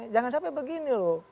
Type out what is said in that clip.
jangan sampai begini loh